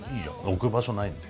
置く場所ないんで。